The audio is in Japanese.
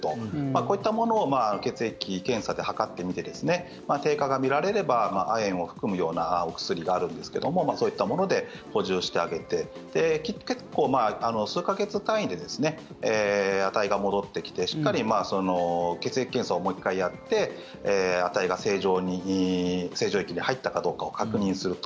こういったものを血液検査で測ってみて低下が見られれば亜鉛を含むようなお薬があるんですけどもそういったもので補充してあげて結構数か月単位で値が戻ってきてしっかり血液検査をもう１回やって値が正常域に入ったかどうかを確認すると。